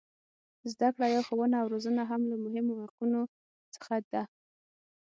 زده کړه یا ښوونه او روزنه هم له مهمو حقونو څخه ده.